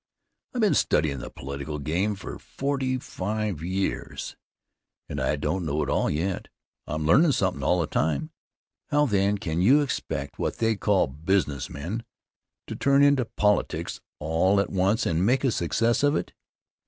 I've been studyin' the political game for forty five years, and! don't know it all yet. I'm learnin' somethin' all the time. How, then, can you expect what they call "business men" to turn into politics all at once and make a success of it?